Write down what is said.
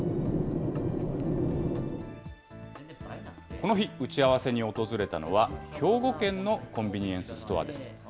この日、打ち合わせに訪れたのは、兵庫県のコンビニエンスストアです。